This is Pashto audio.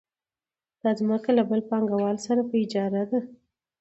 دا ځمکه له بل پانګوال سره په اجاره ده